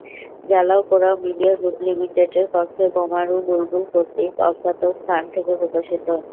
জ্বালাও-পোড়াও media group লিমিটেডের পক্ষে বোমারু বুলবুল কর্তৃক অজ্ঞাত স্থান থেকে প্রকাশিত।